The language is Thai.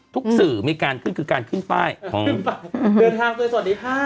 สื่อมีการขึ้นคือการขึ้นป้ายเดินทางไปสวัสดีค่ะ